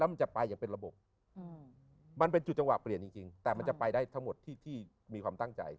มันจะไปอย่างเป็นระบบมันเป็นจุดจังหวะเปลี่ยนจริงแต่มันจะไปได้ทั้งหมดที่มีความตั้งใจ